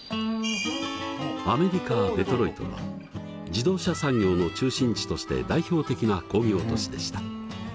アメリカ・デトロイトは自動車産業の中心地として代表的な工業都市でした。